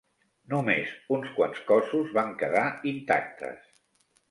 Només uns quants cossos van quedar intactes.